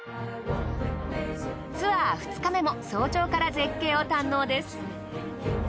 ツアー２日目も早朝から絶景を堪能です。